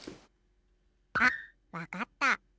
あっわかった。